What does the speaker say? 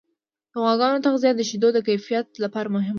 د غواګانو تغذیه د شیدو د کیفیت لپاره مهمه ده.